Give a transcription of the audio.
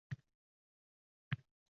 Bu mening kuchliligimdan emas.